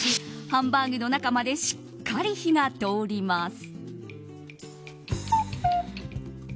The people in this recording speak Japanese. ハンバーグの中までしっかり火が通ります。